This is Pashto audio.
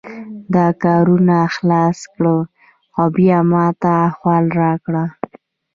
دا کارونه خلاص کړه او بیا ماته احوال راکړه